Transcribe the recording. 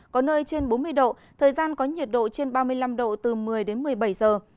có nơi trên bốn mươi độ thời gian có nhiệt độ trên ba mươi năm độ từ một mươi đến một mươi bảy giờ